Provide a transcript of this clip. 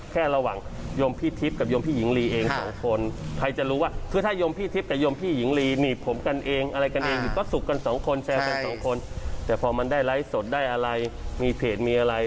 แค่ระหว่างยมพี่ทิพย์กับยมพี่หญิงลีเองคน